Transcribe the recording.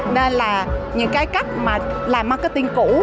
nên là những cái cách mà làm marketing cũ